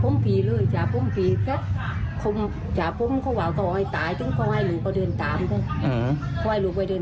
เมื่อเมื่อเมื่อเมื่อเมื่อ